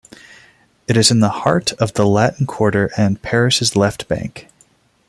It is in the heart of the Latin Quarter and Paris' Left Bank.